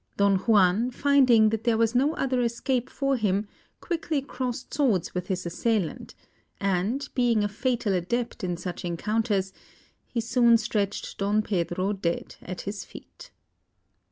Don Juan, finding that there was no other escape for him, quickly crossed swords with his assailant; and, being a fatal adept in such encounters, he soon stretched Don Pedro dead at his feet.